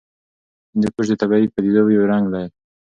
هندوکش د طبیعي پدیدو یو رنګ دی.